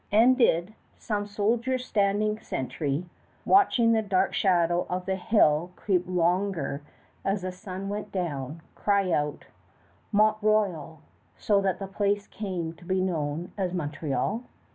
And did some soldier standing sentry, watching the dark shadow of the hill creep longer as the sun went down, cry out, "Mont Royal," so that the place came to be known as Montreal?